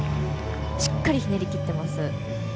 しっかりひねりきってます。